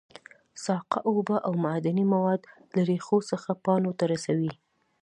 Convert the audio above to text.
ساقه اوبه او معدني مواد له ریښو څخه پاڼو ته رسوي